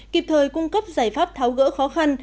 kịp thời cung cấp giải pháp tháo gỡ khó khăn